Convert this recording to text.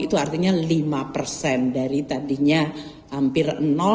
itu artinya lima persen dari tadinya hampir